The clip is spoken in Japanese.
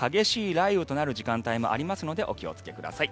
雷雨となる時間帯もありますのでお気をつけください。